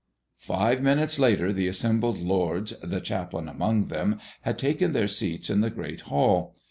Five minutes later the assembled lords, and the chaplain among them, had taken their seats in the great hall.